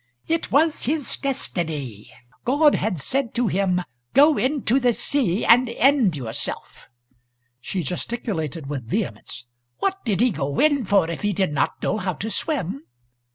"It was his destiny. God had said to him, 'Go into the sea and end yourself.'" She gesticulated with vehemence. "What did he go in for, if he did not know how to swim